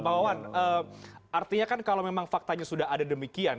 pak wawan artinya kan kalau memang faktanya sudah ada demikian